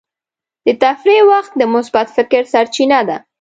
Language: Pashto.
د تفریح وخت د مثبت فکر سرچینه ده.